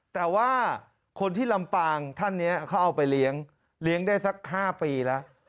แต่ว่าคนที่ลำปางท่านนี้เขาเอาไปเลี้ยงเลี้ยงได้สัก๕ปีแล้ว